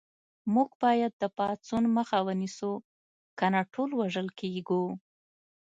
موږ باید د پاڅون مخه ونیسو کنه ټول وژل کېږو